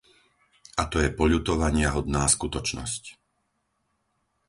A to je poľutovaniahodná skutočnosť.